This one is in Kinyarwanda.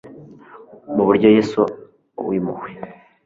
Muburyo bwa Yesu wimpuhwe